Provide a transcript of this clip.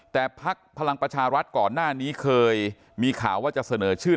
แต่พักพลังประชารัฐก่อนหน้านี้เคยมีข่าวว่าจะเสนอชื่อ